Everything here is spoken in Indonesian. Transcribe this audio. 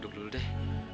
tunggu dulu deh